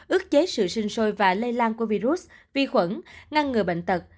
ước chế sự sinh sôi và lây lan của virus vi khuẩn ngăn ngừa bệnh tật